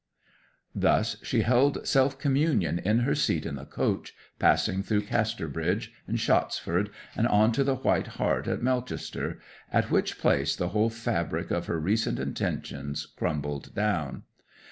'Thus she held self communion in her seat in the coach, passing through Casterbridge, and Shottsford, and on to the White Hart at Melchester, at which place the whole fabric of her recent intentions crumbled down.